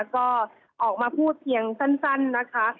ก็ออกมาพูดเพียงสั้นนะคะ